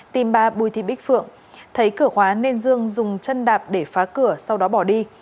tìm bà bùi thị bích phượng thấy cửa khóa nên dương dùng chân đạp để phá cửa sau đó bỏ đi